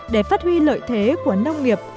để phát huy lợi thế của nông nghiệp